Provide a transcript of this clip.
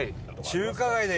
中華街だ！